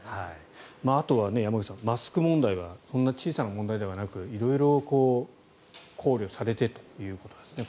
あとは山口さんマスク問題がそんなに小さな問題ではなく色々考慮されてということですね